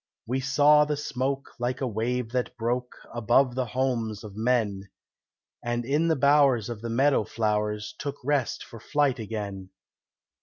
We saw the smoke like a wave that broke Above the homes of men, And in the bowers of the meadow flowers Took rest for flight again.